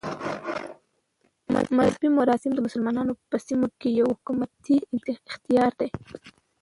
مذهبي مراسم د مسلمانانو په سیمو کښي یو حکومتي اختیار دئ.